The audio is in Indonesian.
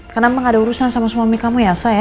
kenapa gak ada urusan sama sama mika kamu ya sa ya